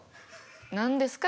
何ですか？